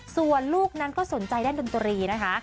ส่วนลูกนั้นก็สนใจด้านดนตรีนะคะ